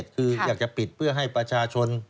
คืออยากจะปิดเพื่อให้ประชาชน